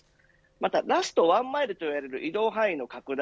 またラストワンマイルといわれる移動範囲の拡大